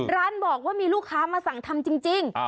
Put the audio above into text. ร้านบอกว่ามีลูกค้ามาสั่งทำจริง